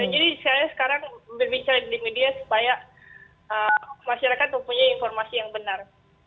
jadi saya sekarang berbicara di media supaya masyarakat mempunyai informasi yang benar